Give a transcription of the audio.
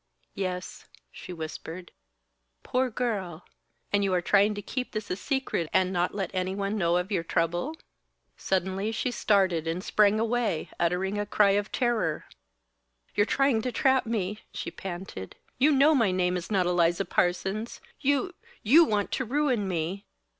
"Yes," she whispered. "Poor girl! And you are trying to keep this a secret and not let anyone know of your trouble?" Suddenly she started and sprang away, uttering a cry of terror. "You're trying to trap me," she panted. "You know my name is not Eliza Parsons. You you want to ruin me!"